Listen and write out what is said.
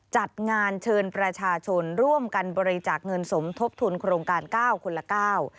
จัดงานเชิญประชาชนร่วมกันบริจาคเงินสมทบทุนโครงการเก้าคนละเก้า